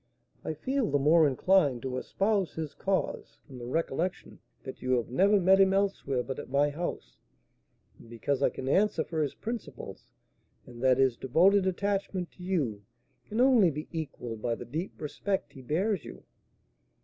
I feel the more inclined to espouse his cause from the recollection that you have never met him elsewhere but at my house, and because I can answer for his principles, and that his devoted attachment to you can only be equalled by the deep respect he bears you."